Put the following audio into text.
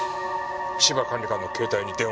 芝管理官の携帯に電話。